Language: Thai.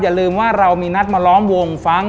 อย่าลืมว่าเรามีนัดมาล้อมวงฟัง